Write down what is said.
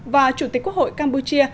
và chủ tịch quốc hội campuchia